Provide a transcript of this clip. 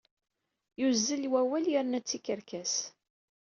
Yuzzel wawal yerna d tikerkas